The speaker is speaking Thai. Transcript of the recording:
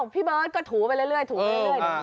พี่เบิร์ตก็ถูไปเรื่อยถูเรื่อย